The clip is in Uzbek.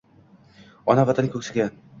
Ona-Vatan ko’ksiga